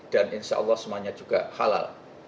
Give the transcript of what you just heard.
dan insya allah semuanya juga halal